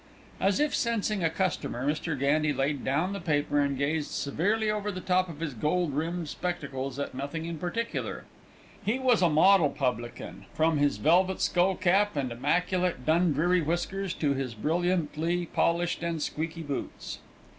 As if sensing a customer, Mr. Gandy laid down the paper and gazed severely over the top of his gold rimmed spectacles at nothing in particular. He was a model publican, from his velvet skullcap and immaculate Dundreary whiskers to his brilliantly polished and squeaky boots.